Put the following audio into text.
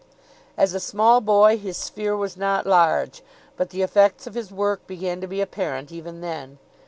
As a small boy his sphere was not large, but the effects of his work began to be apparent even then.